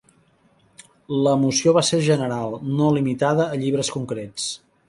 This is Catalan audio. La moció va ser general, no limitada a llibres concrets.